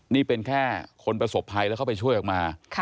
นี่เป็นแค่คนประสบภัยแล้วเข้าไปช่วยออกมา